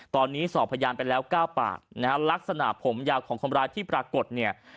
ตอนนี้สอบพยานไปแล้ว๙ปากนะฮะลักษณะผมยาวของคนร้ายที่ปรากฏเนี่ย